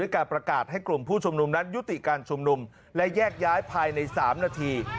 การประกาศให้กลุ่มผู้ชุมนุมนั้นยุติการชุมนุมและแยกย้ายภายใน๓นาที